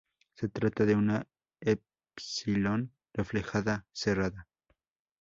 Se trata de una epsilon reflejada cerrada.